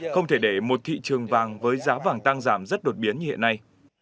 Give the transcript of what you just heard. không thể để một thị trường vàng với giá vàng tăng giảm rất đột biến như hiện nay